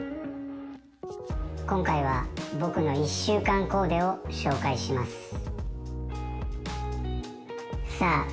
今回は僕の１週間コーデを紹介します。